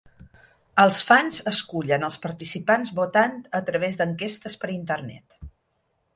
Els fans escullen els participants votant a través d'enquestes per internet.